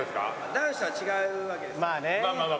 男子とは違うわけですから。